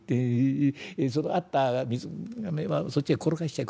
そのあった水がめはそっちへ転がしちゃえ。